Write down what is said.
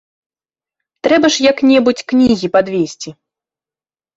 Трэба ж як-небудзь кнігі падвесці.